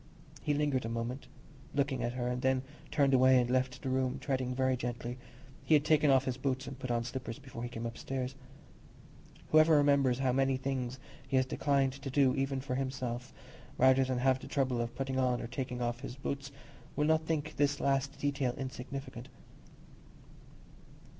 He lingered a moment, looking at her, and then turned away and left the room, treading very gently—he had taken off his boots and put on slippers before he came upstairs. Whoever remembers how many things he has declined to do even for himself, rather than have the trouble of putting on or taking off his boots, will not think this last detail insignificant.